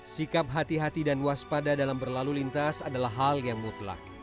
sikap hati hati dan waspada dalam berlalu lintas adalah hal yang mutlak